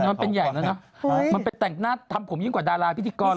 มันเป็นผู้ถึงแต่งหน้าทำตัวผมยิ่งกว่าดาราพิธรรม